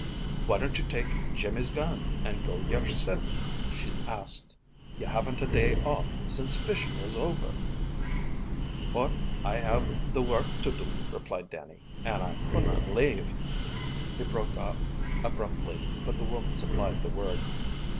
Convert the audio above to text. "Why don't you take Jimmy's gun and go yoursilf?" she asked. "You haven't had a day off since fishing was over." "But I have the work to do," replied Dannie, "and I couldna leave " He broke off abruptly, but the woman supplied the word.